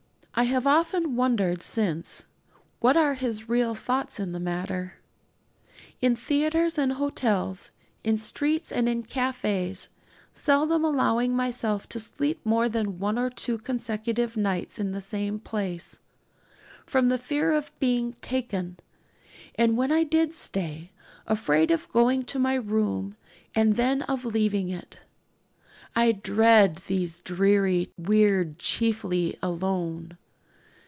I have often wondered since what are his real thoughts in the matter. In theatres and hotels, in streets and in cafés, seldom allowing myself to sleep more than one or two consecutive nights in the same place, from the fear of being 'taken,' and, when I did stay, afraid of going to my room and then of leaving it I dreed this dreary weird chiefly alone.